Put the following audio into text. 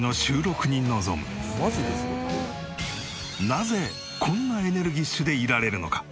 なぜこんなエネルギッシュでいられるのか？